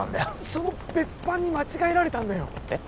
その別班に間違えられたんだよえっ？